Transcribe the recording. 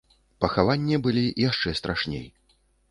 Пахаванне былі яшчэ страшней.